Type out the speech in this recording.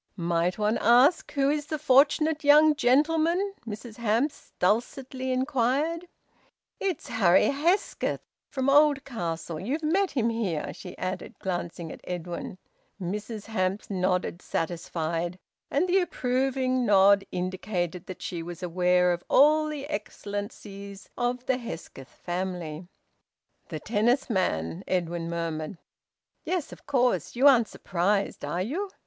"Might one ask who is the fortunate young gentleman?" Mrs Hamps dulcetly inquired. "It's Harry Hesketh, from Oldcastle... You've met him here," she added, glancing at Edwin. Mrs Hamps nodded, satisfied, and the approving nod indicated that she was aware of all the excellences of the Hesketh family. "The tennis man!" Edwin murmured. "Yes, of course! You aren't surprised, are you?"